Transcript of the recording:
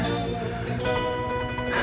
gak usah dimasalahin